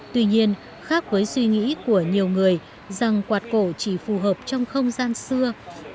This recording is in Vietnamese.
tuy nhiên khác với suy nghĩ của nhiều người rằng quạt cổ chỉ phù hợp trong không gian xưa